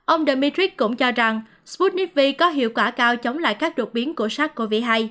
ông dmitrick cũng cho rằng sputnik v có hiệu quả cao chống lại các đột biến của sars cov hai